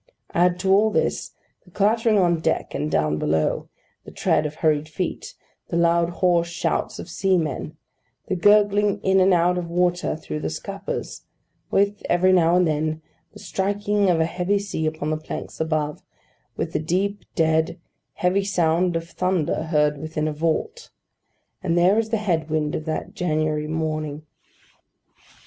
Add to all this, the clattering on deck and down below; the tread of hurried feet; the loud hoarse shouts of seamen; the gurgling in and out of water through the scuppers; with, every now and then, the striking of a heavy sea upon the planks above, with the deep, dead, heavy sound of thunder heard within a vault;—and there is the head wind of that January morning.